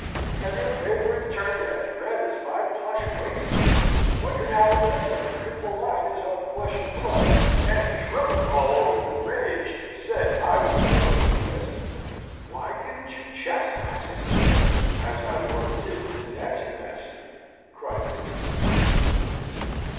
And your favourite turned as red as my plush waistcoat wondered how a gentleman could malign his own flesh and blood, and, trembling all over with rage, said I was no true Esmond." "Why didn't you chastise him, sir, as my lord did the dancing master?" cried Lady Castlewood.